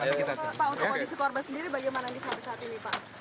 pak untuk kondisi korban sendiri bagaimana saat ini pak